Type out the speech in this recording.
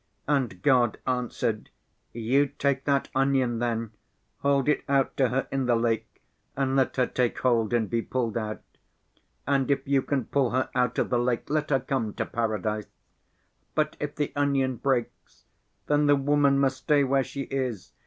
And God answered: 'You take that onion then, hold it out to her in the lake, and let her take hold and be pulled out. And if you can pull her out of the lake, let her come to Paradise, but if the onion breaks, then the woman must stay where she is.